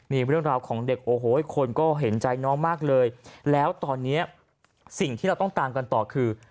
มีเรื่องราวของเด็กโอ้โหคนก็เห็นใจน้องมากเลยแล้วตอนนี้สิ่งที่เราต้องตามกันต่อคือ